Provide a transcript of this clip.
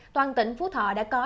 toàn tỉnh phú thọ đã có